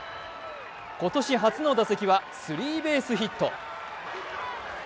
今年初の打席はスリーベースヒット。